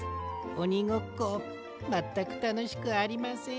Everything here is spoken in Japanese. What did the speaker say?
おにごっこまったくたのしくありません。